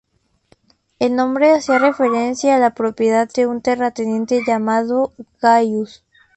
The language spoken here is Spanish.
El nombre haría referencia a la propiedad de un terrateniente llamado "Gaius".